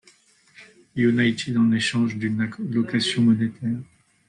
United en échange d'une allocation monétaire.